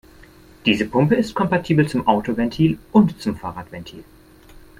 Diese Pumpe ist kompatibel zum Autoventil und zum Fahrradventil.